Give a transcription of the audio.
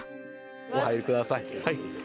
お入りください。